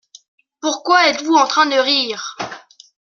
Pourquoi êtes-vous en train de rire ?